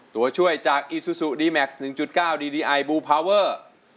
ตัวช่วยจากอีซูซูดีแม็กซ์หนึ่งจุดเก้าดีดีไอบูร์พาวเวอร์